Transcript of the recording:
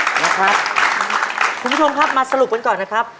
คุณผู้ชมครับมาสรุปกันก่อนนะครับ